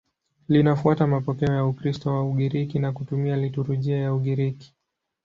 Linafuata mapokeo ya Ukristo wa Ugiriki na kutumia liturujia ya Ugiriki.